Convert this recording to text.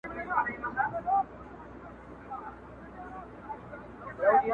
مرگ کله نخرې کوي، کله پردې کوي.